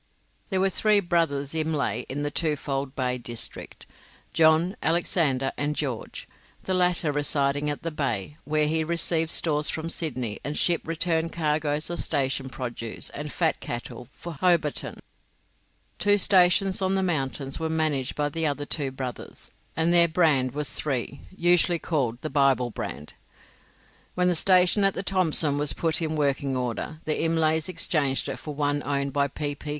There were three brothers Imlay in the Twofold Bay district John, Alexander, and George the latter residing at the Bay, where he received stores from Sydney, and shipped return cargoes of station produce and fat cattle for Hobarton. Two stations on the mountains were managed by the other two brothers, and their brand was III., usually called "the Bible brand." When the station on the Thomson was put in working order, the Imlays exchanged it for one owned by P. P.